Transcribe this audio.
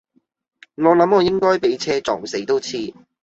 我諗我應該俾車撞死都似